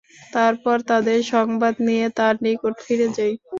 তারপর তাদের সংবাদ নিয়ে তাঁর নিকট ফিরে যাই।